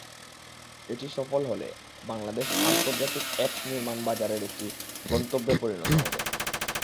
এটি সফল হলে বাংলাদেশআন্তর্জাতিক অ্যাপস নির্মাণ বাজারের একটি গন্তব্যে পরিণত হবে।